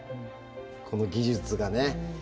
この技術がね。